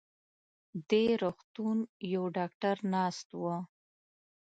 دې روغتون يو ډاکټر ناست و.